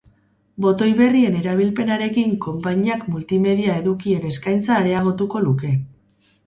Botoi berrien erabilpenarekin konpainiak multimedia edukien eskaintza areagotuko luke.